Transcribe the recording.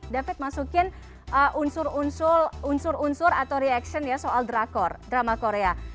david masukin unsur unsur atau reaction ya soal drakor drama korea